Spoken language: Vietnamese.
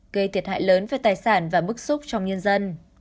gây thiệt hại lớn về tài sản và bức xúc trong nhân dân